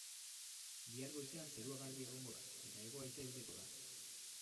Bihar goizean zerua garbi egongo da eta hego-haizea ibiliko da.